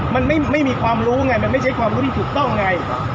มันไม่มีความรู้ไงมันไม่ใช่ความรู้ที่ถูกต้องไง